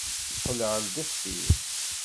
Qqel ar deffir!